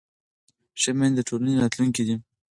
ښه میندې د ټولنې راتلونکی دي.